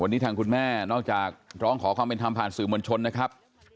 วันนี้ทางคุณแม่นอกจากร้องขอความเป็นธรรมผ่านสื่อมวลชนนะครับ